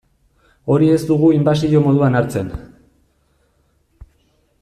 Hori ez dugu inbasio moduan hartzen.